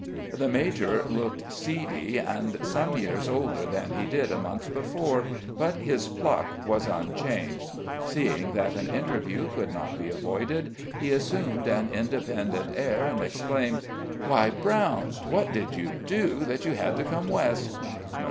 The major looked seedy, and some years older than he did a month before, but his pluck was unchanged. Seeing that an interview could not be avoided, he assumed an independent air, and exclaimed: "Why, Brown, what did you do that you had to come West?"